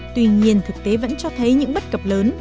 tuy nhiên thực tế vẫn cho thấy những bất cập lớn